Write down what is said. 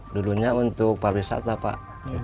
dulunya untuk pariwisata pak